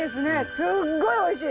すっごいおいしい！